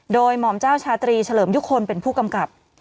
โดยหม่อมเจ้าชาตรีเฉลิมยุคลเป็นผู้กำกับ